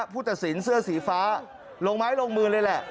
ผู้ตัดสินเสื้อสีฟ้าลงไม้ลงมือเลยแหละ